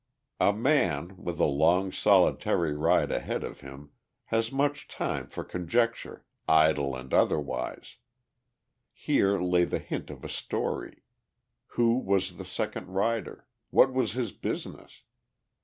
A man, with a long solitary ride ahead of him, has much time for conjecture, idle and otherwise. Here lay the hint of a story; who was the second rider, what was his business?